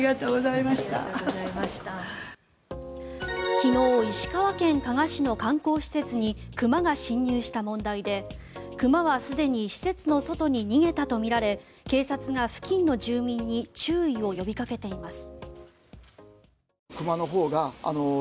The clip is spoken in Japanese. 昨日、石川県加賀市の観光施設に熊が侵入した問題で熊はすでに施設の外に逃げたとみられ警察が付近の住民に注意を呼びかけています。